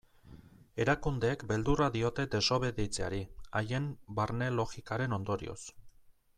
Erakundeek beldurra diote desobeditzeari, haien barne logikaren ondorioz.